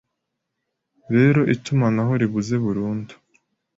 Rero itumanaho ribuze burundu